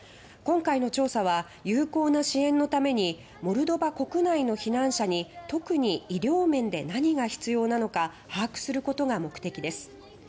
今回の調査は有効な支援のためにモルドバ国内の避難者に特に医療面で何が必要なのか把握することが目的です。